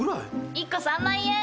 １個３万円。